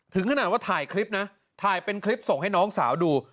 ถึงขนาดว่าถ่ายคลิปนะถ่ายเป็นคลิปส่งให้น้องสาวดู